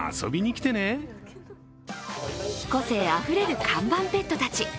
個性あふれる看板ペットたち。